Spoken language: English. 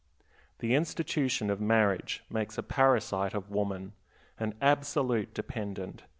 The institution of marriage makes a parasite of woman, an absolute dependent.